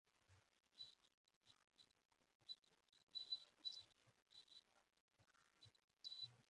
Para terminar los festejos, el martes es costumbre o se cena en cuadrilla.